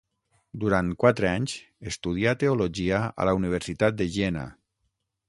Durant quatre anys estudià teologia a la Universitat de Jena.